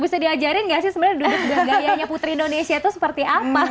bisa diajarin nggak sih sebenarnya duduk tegak gayanya putri indonesia itu seperti apa